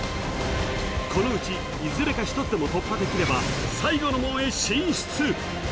このうちいずれか一つでも突破できれば最後の門へ進出！